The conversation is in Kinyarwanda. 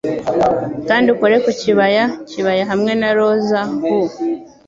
Kandi ukore ku kibaya-kibaya hamwe na roza hue;